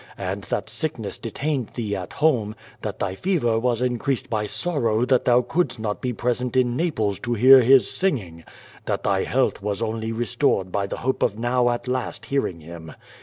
And that sickness detained thee at home; that thy fever was increased by sorrow that thou couldst not be present in Naples to hear his singing, that thy health was only re stored by the hope of now at last hearing him.